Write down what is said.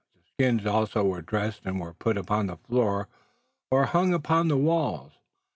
The skins also were dressed and were put upon the floor or hung upon the walls.